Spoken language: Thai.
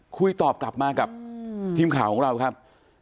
คุยตอบกลับมากับทีมข่าวของเราครับ